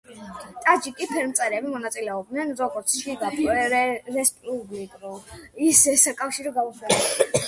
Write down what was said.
ტაჯიკი ფერმწერები მონაწილეობდნენ როგორც შიგა რესპუბლიკურ, ისე საკავშირო გამოფენებში.